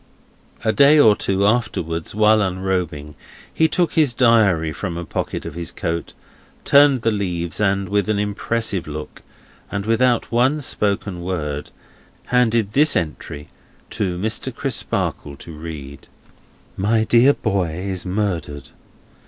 A day or two afterwards, while unrobing, he took his Diary from a pocket of his coat, turned the leaves, and with an impressive look, and without one spoken word, handed this entry to Mr. Crisparkle to read: "My dear boy is murdered.